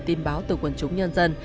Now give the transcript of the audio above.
tin báo từ quần chúng nhân dân